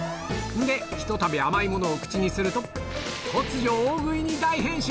で、ひとたび甘いものを口にすると、突如、大食いに大変身。